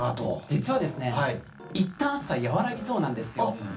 実はいったん暑さ、やわらぎそうなんですよ。